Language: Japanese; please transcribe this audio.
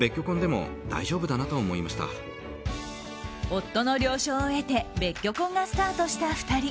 夫の了承を得て別居婚がスタートした２人。